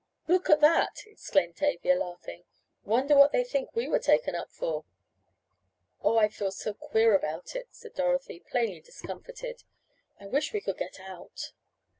"Look at that!" exclaimed Tavia, laughing. "Wonder what they think we were taken up for?" "Oh, I feel so queer about it," said Dorothy, plainly discomfited. "I wish we could get out."